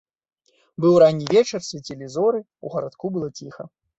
Быў ранні вечар, свяцілі зоры, у гарадку было ціха.